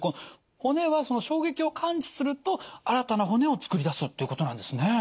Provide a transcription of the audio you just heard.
骨は衝撃を感知すると新たな骨をつくり出すっていうことなんですね。